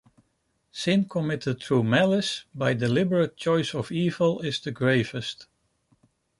Sin committed through malice, by deliberate choice of evil, is the gravest.